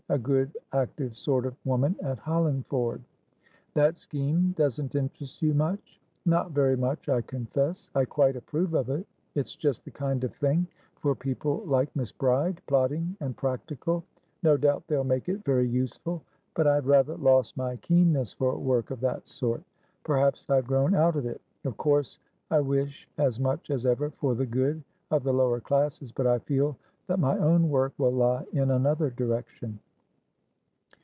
A good, active sort of woman at Hollingford." "That scheme doesn't interest you much?" "Not very much, I confess. I quite approve of it. It's just the kind of thing for people like Miss Bride, plodding and practical; no doubt they'll make it very useful. But I have rather lost my keenness for work of that sort. Perhaps I have grown out of it. Of course I wish as much as ever for the good of the lower classes, but I feel that my own work will lie in another direction."